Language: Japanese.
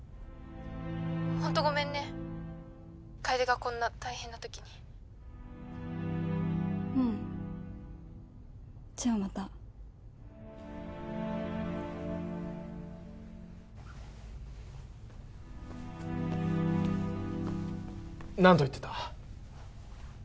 ☎ホントごめんね☎楓がこんな大変な時にううんじゃあまた何と言ってた？